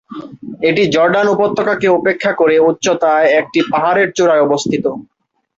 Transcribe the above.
এটি জর্ডান উপত্যকাকে উপেক্ষা করে উচ্চতায় একটি পাহাড়ের চূড়ায় অবস্থিত।